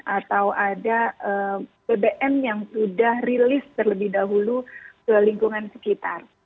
atau ada bbm yang sudah rilis terlebih dahulu ke lingkungan sekitar